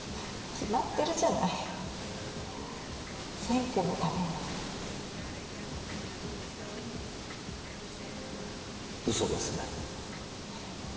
決まってるじゃない選挙のためよ嘘ですね